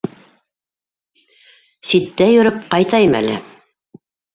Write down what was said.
Ситтә йөрөп ҡайтайым әле.